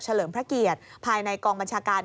เลิมพระเกียรติภายในกองบัญชาการ